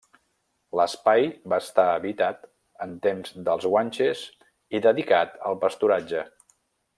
L'espai va estar habitat en temps dels guanxes i dedicat al pasturatge.